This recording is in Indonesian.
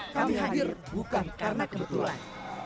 kami hadir bukan karena kebetulan